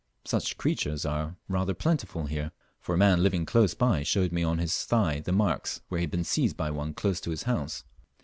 Such creatures are rather plentiful here, for a man living close by showed me on his thigh the marks where he had been seized by one close to his house.